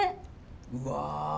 うわ。